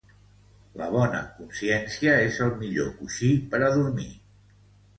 La bona consciència és el millor coixí per a dormir.